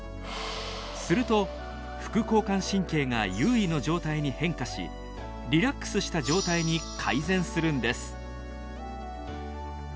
すると副交感神経が優位の状態に変化しリラックスした状態に改善するんです。